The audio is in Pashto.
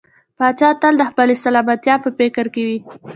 پاچا تل د خپلې سلامتيا په فکر کې وي .